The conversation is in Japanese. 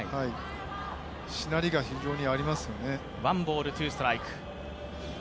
しなりが非常にありますよね。